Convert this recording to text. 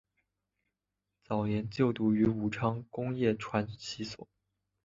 早年就读于武昌工业传习所。